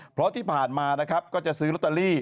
เพราะที่ผ่านมานะครับก็จะซื้อลอตเตอรี่